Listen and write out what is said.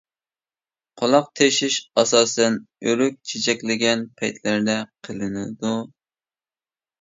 قۇلاق تېشىش ئاساسەن ئۆرۈك چېچەكلىگەن پەيتلەردە قىلىنىدۇ.